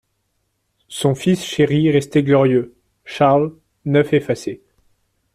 Son fils chéri restait glorieux, Charles neuf effacé.